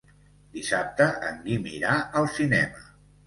Dissabte en Guim irà al cinema.